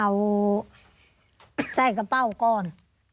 เอาใส่กระเป้าก่อน